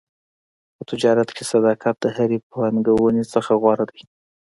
په تجارت کې صداقت د هرې پانګونې نه غوره دی.